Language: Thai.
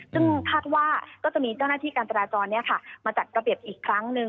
ซึ่งคาดว่าก็จะมีเจ้าหน้าที่การจราจรมาจัดระเบียบอีกครั้งหนึ่ง